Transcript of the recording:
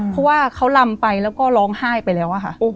เพราะว่าเขาลำไปแล้วก็ร้องไห้ไปแล้วอะค่ะ